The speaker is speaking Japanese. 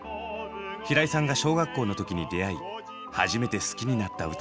平井さんが小学校の時に出会い初めて好きになった歌です。